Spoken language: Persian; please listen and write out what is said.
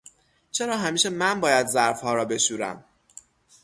چرا همیشه من باید ظرفها را بشورم؟